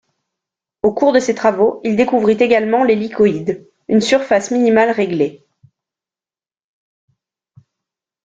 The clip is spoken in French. Au cours de ces travaux, il découvrit également l'hélicoïde, une surface minimale réglée.